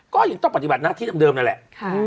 ก็ยังต้องปฏิบัติหน้าที่เดิมนั่นแหละ